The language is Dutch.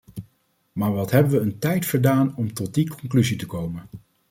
Maar wat hebben we een tijd verdaan om tot die conclusie te komen!